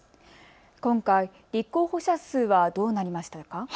今回、立候補者数はどうなりましたか。